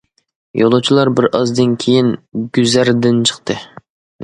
يولۇچىلار بىر ئازدىن كېيىن گۈزەردىن چىقتى.